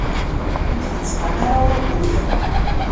Ur d-yettqam ara wakud.